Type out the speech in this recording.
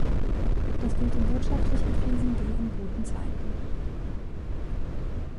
Das gilt in wirtschaftlichen Krisen wie in guten Zeiten.